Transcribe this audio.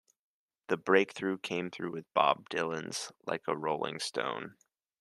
The breakthrough came with Bob Dylan's "Like a Rolling Stone".